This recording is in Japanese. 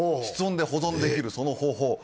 室温で保存できるその方法